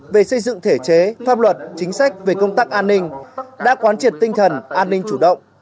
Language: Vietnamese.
về xây dựng thể chế pháp luật chính sách về công tác an ninh đã quán triệt tinh thần an ninh chủ động